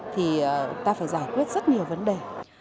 thì ta phải giải quyết rất nhiều vấn đề